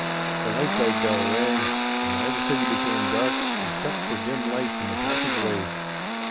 The lights out bell rang, and all the city became dark, except for dim lights in the passageways.